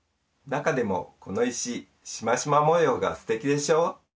なかでもこのいししましまもようがすてきでしょ。